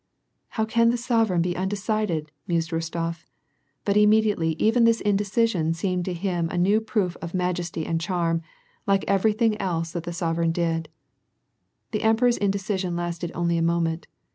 "How can the sovereMjn be undecided ?" mused Rostof; but immediately even th^^ indecision seemed to him a new proof of majesty and charm, like everything else that the sov ereign did. The emperor's indecision lasted only a moment.